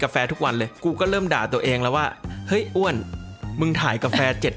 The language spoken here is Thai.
แฟทุกวันเลยกูก็เริ่มด่าตัวเองแล้วว่าเฮ้ยอ้วนมึงถ่ายกาแฟ๗๐